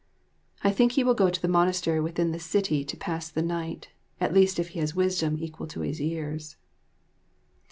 I think he will go to the monastery within the city to pass the night at least if he has wisdom equal to his years.